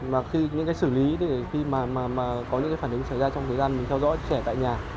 và những cách xử lý để khi có những phản ứng xảy ra trong thời gian theo dõi trẻ tại nhà